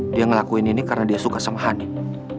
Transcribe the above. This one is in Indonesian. dia ngelakuin ini karena dia suka sama hanif